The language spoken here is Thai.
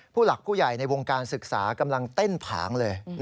ผู้หลักผู้ใหญ่ในวงการศึกษากำลังเต้นผางเลย